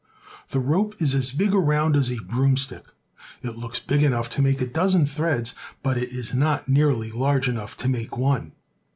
The rope is as big around as a broomstick. It looks big enough to make a dozen threads, but it is not nearly large enough to make one.